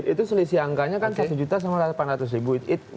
itu selisih angkanya kan satu juta sama delapan ratus ribu